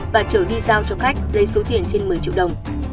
và trở đi giao cho khách lấy số tiền trên một mươi triệu đồng